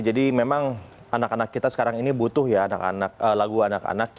jadi memang anak anak kita sekarang ini butuh ya lagu anak anak yang memang datang dari anak anak indonesia